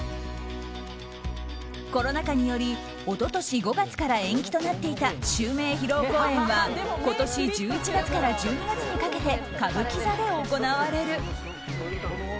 コロナ禍により一昨年５月から延期となっていた襲名披露公演は今年１１月から１２月にかけて歌舞伎座で行われる。